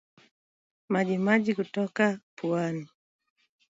Majimaji kutoka puani